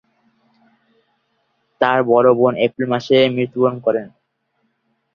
তার বড় বোন এপ্রিল মাসে মৃত্যুবরণ করে।